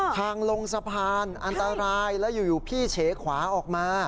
ทางลงสะพานอันตรายแล้วอยู่พี่เฉขวาออกมา